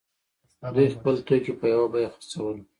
دوی خپل توکي په یوه بیه خرڅول.